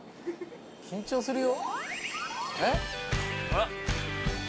緊張するよ。